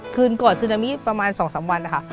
คืนก่อนซึนามิประมาณ๒๓วันนะคะ